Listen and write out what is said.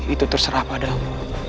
itu terserah padamu